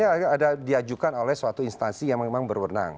ya ada diajukan oleh suatu instansi yang memang berwenang